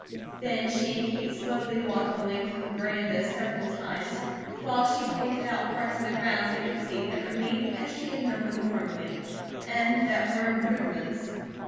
Then she and Kate slowly walked the length of the veranda several times, while she pointed out parts of the grounds they could see that remained as she had known them formerly, and what were improvements.